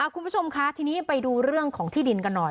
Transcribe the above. คุณผู้ชมคะทีนี้ไปดูเรื่องของที่ดินกันหน่อย